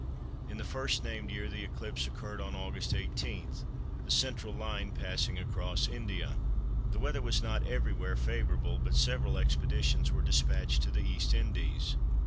In the first named year the eclipse occurred on August 18, the central line passing across India. The weather was not everywhere favourable, but several expeditions were dispatched to the East Indies.